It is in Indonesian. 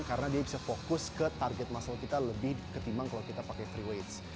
karena dia bisa fokus ke target muscle kita lebih ketimbang kalau kita pakai free weights